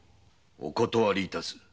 お断り致す。